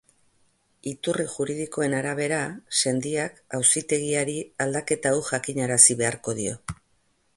Iturri juridikoen arabera, sendiak auzitegiari aldaketa hau jakinarazi beharko dio.